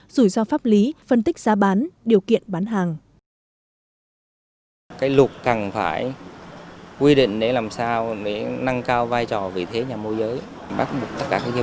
rủi ro pháp lý phân tích giá bán điều kiện bán hàng